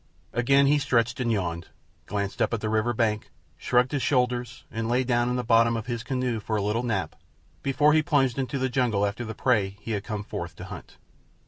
Again he stretched and yawned, glanced up at the river bank, shrugged his shoulders, and lay down in the bottom of his canoe for a little nap before he plunged into the jungle after the prey he had come forth to hunt.